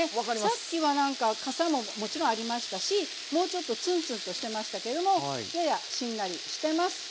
さっきはなんかかさももちろんありましたしもうちょっとツンツンとしてましたけどもややしんなりしてます。